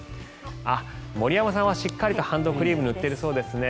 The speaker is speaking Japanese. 森山さんはしっかりとハンドクリームを塗っているそうですね。